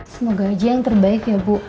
semoga haji yang terbaik ya bu